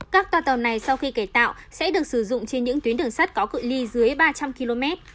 các toa tàu này sau khi cải tạo sẽ được sử dụng trên những tuyến đường sắt có cự li dưới ba trăm linh km